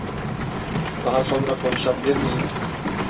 Daha sonra konuşabilir miyiz?